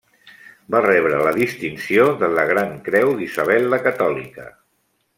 Va rebre la distinció de la Gran Creu d'Isabel la Catòlica.